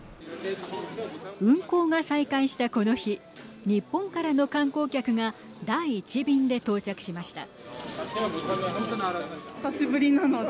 運航が再開したこの日日本からの観光客が第１便で到着しました。